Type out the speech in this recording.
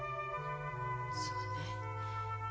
そうね。